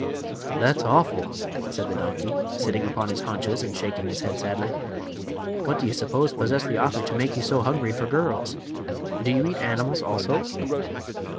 "That's awful!" said the donkey, sitting upon his haunches and shaking his head sadly. "What do you suppose possessed the author to make you so hungry for girls? Do you eat animals, also?"